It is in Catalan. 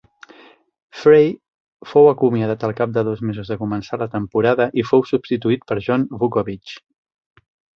Frey fou acomiadat al cap de dos mesos de començar la temporada i fou substituït per John Vukovich.